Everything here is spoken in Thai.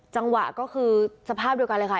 จังหวะก็คือสภาพเดียวกันเลยค่ะ